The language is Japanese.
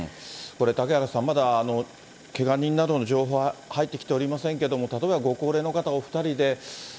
これ、嵩原さん、まだけが人などの情報、入ってきておりませんけれども、例えばご高齢の方お２人で、